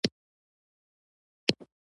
په کیمیاوي تعامل کې ټول خواص یې تغیر وکړي.